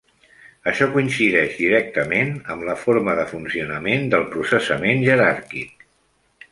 Això coincideix directament amb la forma de funcionament del processament jeràrquic.